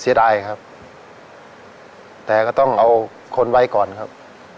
เสียดายครับแต่ก็ต้องเอาคนไว้ก่อนครับ